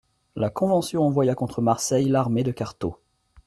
La Convention envoya contre Marseille l'armée de Cartaux.